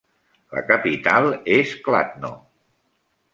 La capital és Kladno.